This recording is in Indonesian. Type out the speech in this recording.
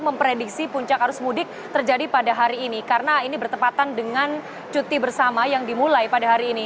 memprediksi puncak arus mudik terjadi pada hari ini karena ini bertepatan dengan cuti bersama yang dimulai pada hari ini